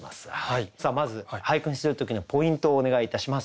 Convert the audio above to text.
さあまず俳句にする時のポイントをお願いいたします。